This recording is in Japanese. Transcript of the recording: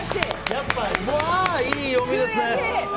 やっぱ、いい読みですね。